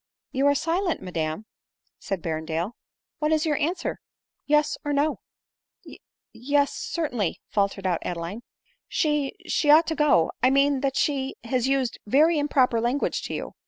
v " You are silent, madam," said Berrendale ;" what is your answer ? Yes, or No ?"" Ye — yes — certainly," faltered out Adeline ;" she — she ought to go— J mean that she has used very im proper language to you."